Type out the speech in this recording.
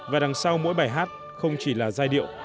và đằng sau mỗi bài hát không chỉ là giai điệu